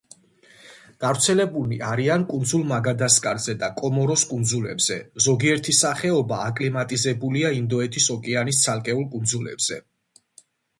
გავრცელებულნი არიან კუნძულ მადაგასკარზე და კომორის კუნძულებზე, ზოგიერთი სახეობა აკლიმატიზებულია ინდოეთის ოკეანის ცალკეულ კუნძულებზე.